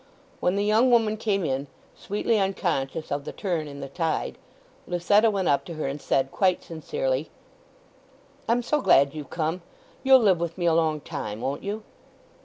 When the young woman came in, sweetly unconscious of the turn in the tide, Lucetta went up to her, and said quite sincerely— "I'm so glad you've come. You'll live with me a long time, won't you?"